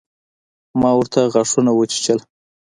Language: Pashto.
ما ورته غاښونه وچيچل.